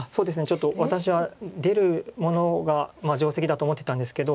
ちょっと私は出るものが定石だと思ってたんですけど。